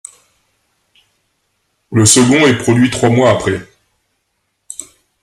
Le second est produit trois mois après.